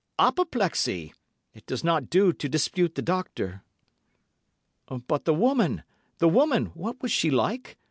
Apoplexy. It does not do to dispute the doctor.' "'But the woman—the woman? What was she like?